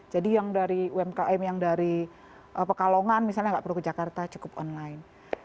jadi yang dari umkm yang dari pekalongan misalnya nggak perlu ke jakarta cukup online